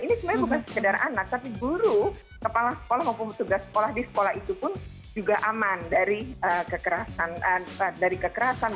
ini sebenarnya bukan sekedar anak tapi guru kepala sekolah maupun tugas sekolah di sekolah itu pun juga aman dari kekerasan maupun dari hal hal lain yang membahayakan selama berada di sekolah